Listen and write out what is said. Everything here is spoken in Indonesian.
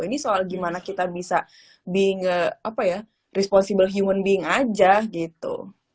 ini soal gimana kita bisa be nge apa ya responsible human being aja gitu